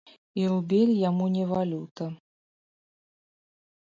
І рубель яму не валюта.